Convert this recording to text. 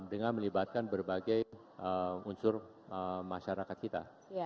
dengan melibatkan berbagai unsur masyarakat kita